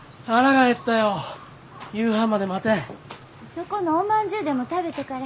そこのおまんじゅうでも食べとかれ。